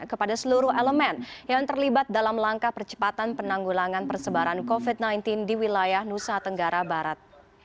kepada seluruh elemen yang terlibat dalam langkah percepatan penanggulangan persebaran covid sembilan belas di wilayah nusa tenggara barat